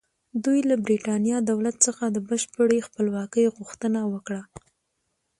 دوی له برېټانیا دولت څخه د بشپړې خپلواکۍ غوښتنه وکړه.